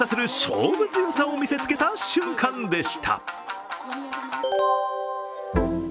勝負強さを見せつけた瞬間でした。